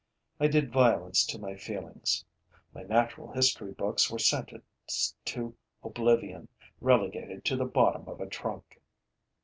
I did violence to my feelings. My natural history books were sentenced to oblivion, relegated to the bottom of a trunk.